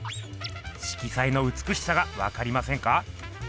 色彩のうつくしさがわかりませんか？